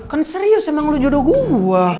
kan serius emang lo jodoh gua